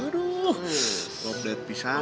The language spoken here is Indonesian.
nih lo melihat pisahnya